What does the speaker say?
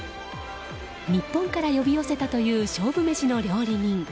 日本から呼び寄せたという勝負メシの料理人。